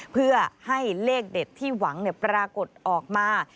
เพื่อให้เลขเด็ดที่หวังปรากฏออกมา